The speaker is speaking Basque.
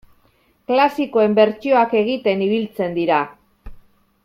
Klasikoen bertsioak egiten ibiltzen dira.